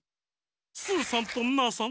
スーさんとナーさん